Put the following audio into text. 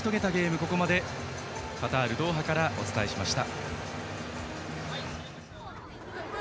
ここまでカタール・ドーハからお伝えしました。